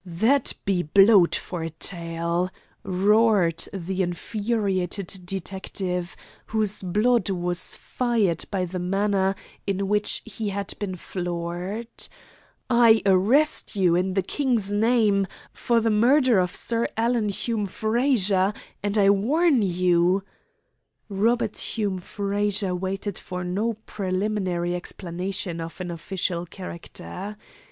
"That be blowed for a tale!" roared the infuriated detective, whose blood was fired by the manner in which he had been floored. "I arrest you in the King's name for the murder of Sir Alan Hume Frazer, and I warn you " Robert Hume Frazer waited for no preliminary explanation of an official character.